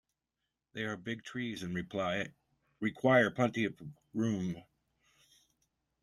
They are big trees and require plenty of room.